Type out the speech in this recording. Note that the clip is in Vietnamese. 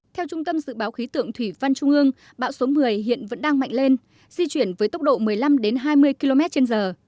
theo trung tâm dự báo khí tượng thủy văn trung ương bão số một mươi hiện vẫn đang mạnh lên di chuyển với tốc độ một mươi năm hai mươi km trên giờ